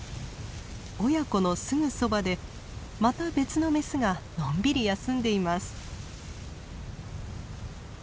親子のすぐそばでまた別のメスがのんびり休んでいます。